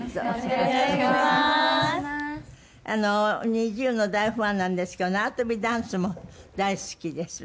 ＮｉｚｉＵの大ファンなんですけど縄跳びダンスも大好きです。